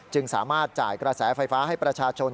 สามารถจ่ายกระแสไฟฟ้าให้ประชาชน